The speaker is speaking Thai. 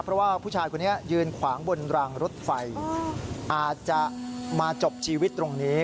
เพราะว่าผู้ชายคนนี้ยืนขวางบนรางรถไฟอาจจะมาจบชีวิตตรงนี้